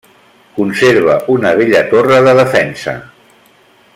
Conserva una vella torre de defensa.